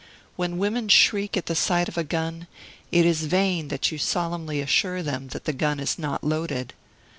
When women shriek at the sight of a gun, it is in vain that you solemnly assure them that the gun is not loaded.